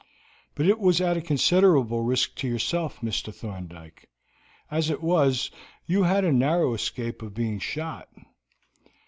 "But it was at a considerable risk to yourself, Mr. Thorndyke. As it was, you had a narrow escape of being shot."